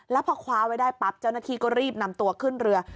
แล้วพอคว้าไว้ได้ปั๊บเจ้าหน้าที่ก็รีบนำตัวขึ้นเรือ